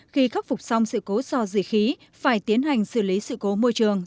khi khắc phục xong sự cố so dị khí phải tiến hành xử lý sự cố môi trường